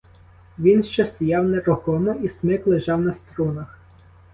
Він ще стояв нерухомо, і смик лежав на струнах.